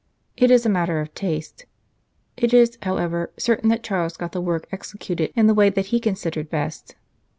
It is a matter of taste. It is, however, certain that Charles got the work executed in the way that he considered best.